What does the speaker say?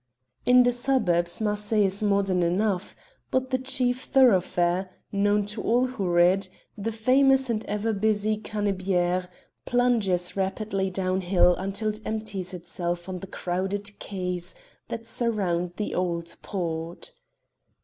In the suburbs Marseilles is modern enough, but the chief thoroughfare, known to all who read, the famous and ever busy Cannebiere, plunges rapidly downhill until it empties itself on the crowded quays that surround the old port.